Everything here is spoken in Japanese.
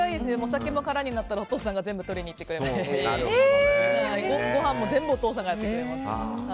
酒も空になったらお父さんが全部取りにいってくれますしごはんも全部お父さんがやってくれます。